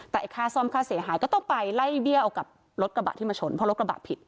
แต่ค่าซ่อมค่าเสียหายก็ต้องไปไล่เบี้ยเอากับรถกระบะที่มาชนเพราะรถกระบะผิด